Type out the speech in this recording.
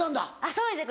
そうですね